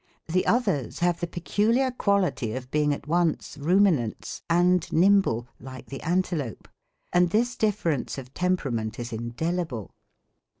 The others have the peculiar quality of being at once ruminants and nimble, like the antelope. And this difference of temperament is indelible.